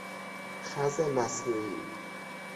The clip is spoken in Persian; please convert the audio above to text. خز مصنوعی